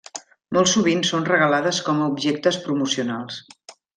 Molt sovint són regalades com a objectes promocionals.